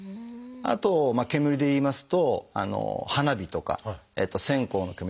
あと煙でいいますと花火とか線香の煙。